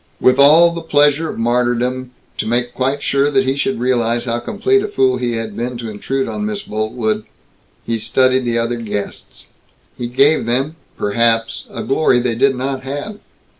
With all the pleasure of martyrdom to make quite sure that he should realize how complete a fool he had been to intrude on Miss Boltwood he studied the other guests. He gave them, perhaps, a glory they did not have.